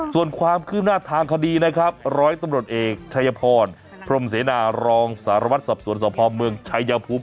ส่วนความคืบหน้าทางคดีนะครับร้อยตำรวจเอกชัยพรพรมเสนารองสารวัตรสอบสวนสพเมืองชัยภูมิ